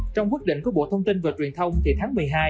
trong quyết định của bộ thông tin và truyền thông thì tháng một mươi hai